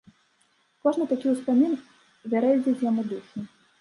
Кожны такі ўспамін вярэдзіць яму душу.